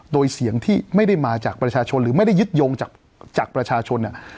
โดยเสียงที่ไม่ได้มาจากประชาชนหรือไม่ได้ยึดโยงจากประชาชนเนี่ย